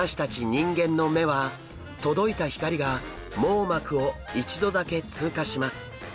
人間の目は届いた光が網膜を一度だけ通過します。